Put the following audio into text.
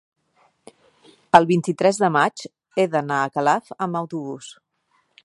el vint-i-tres de maig he d'anar a Calaf amb autobús.